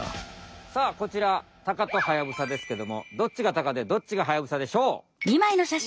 さあこちらタカとハヤブサですけどもどっちがタカでどっちがハヤブサでしょう？